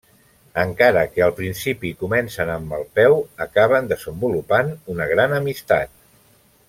Encara que al principi comencen amb mal peu, acaben desenvolupant un gran amistat.